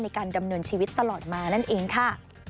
ในการดำเนินชีวิตตลอดมานั่นเองค่ะ